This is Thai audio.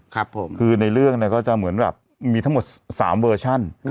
ครับผมคือในเรื่องเนี่ยก็จะเหมือนแบบมีทั้งหมด๓เวอร์ชัน